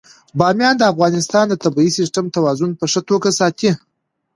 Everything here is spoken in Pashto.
بامیان د افغانستان د طبعي سیسټم توازن په ښه توګه ساتي.